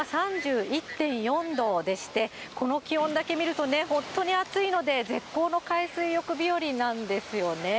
現在、気温は３１．４度でして、この気温だけ見るとね、本当に暑いので、絶好の海水浴日和なんですよね。